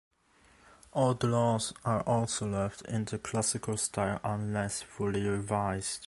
Old laws are also left in the classical style unless fully revised.